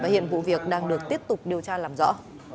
hiện vụ việc đang được tiếp tục điều tra làm rõ